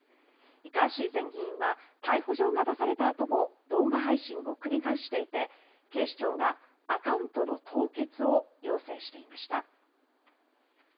ガーシー前議員は逮捕状が出されたあとも動画配信を繰り返していて警視庁がアカウントの凍結を要請していました。